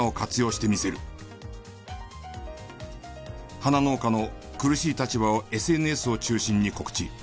花農家の苦しい立場をＳＮＳを中心に告知。